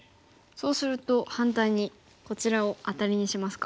そうすると反対にこちらをアタリにしますか。